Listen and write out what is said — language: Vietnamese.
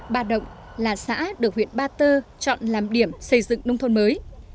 ba động là xã được huyện ba tơ chọn làm điểm xây dựng nông thôn mới